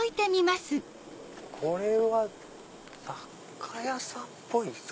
これは雑貨屋さんっぽいぞ。